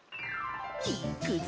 いっくぞ！